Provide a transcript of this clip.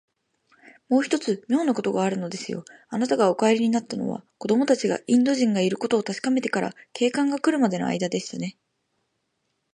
もう一つ、みょうなことがあるのですよ。あなたがお帰りになったのは、子どもたちがインド人がいることをたしかめてから、警官がくるまでのあいだでしたね。